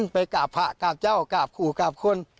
ไปกราบพระกราบเจ้ากราบขู่กราบคน